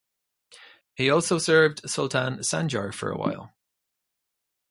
He also served Sultan Sanjar for a while.